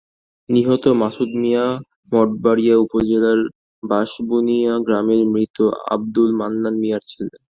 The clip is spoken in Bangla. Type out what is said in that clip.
নিহত মাসুদ মিয়া মঠবাড়িয়া উপজেলার বাঁশবুনিয়া গ্রামের মৃত আবদুল মান্নান মিয়ার ছেলে।